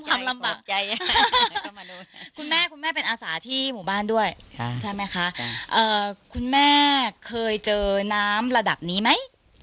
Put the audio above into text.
ลำบากใจคุณแม่คุณแม่เป็นอาสาที่หมู่บ้านด้วยใช่ไหมคะคุณแม่เคยเจอน้ำระดับนี้ไหม